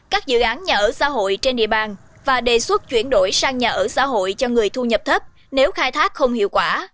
các dự án nhà ở xã hội trên địa bàn và đề xuất chuyển đổi sang nhà ở xã hội cho người thu nhập thấp nếu khai thác không hiệu quả